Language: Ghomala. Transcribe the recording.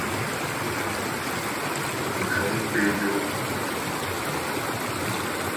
Mcuŋ pé dó.